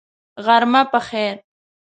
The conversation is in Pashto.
غرمه په خیر !